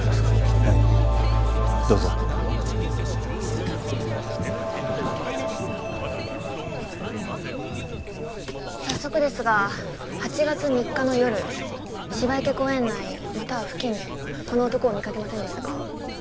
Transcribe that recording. はいどうぞ早速ですが８月３日の夜芝池公園内または付近でこの男を見かけませんでしたか？